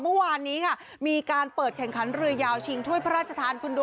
เมื่อวานนี้ค่ะมีการเปิดแข่งขันเรือยาวชิงถ้วยพระราชทานคุณดู